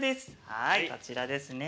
はいこちらですね。